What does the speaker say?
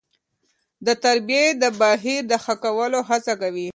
د تربيې د بهیر د ښه کولو هڅه کوي.